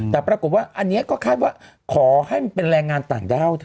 แต่ปรากฏว่าอันนี้ก็คาดว่าขอให้มันเป็นแรงงานต่างด้าวเถ